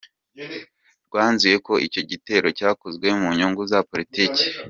Rwanzuye ko icyo gitero "cyakozwe mu nyungu za politiki".